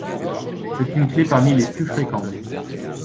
C'est une clef parmi les plus fréquentes.